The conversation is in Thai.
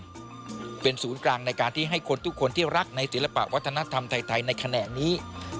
เป็นศูนย์กลางในการที่ให้คนทุกคนที่รักในศิลปะวัฒนธรรมไทยในขณะนี้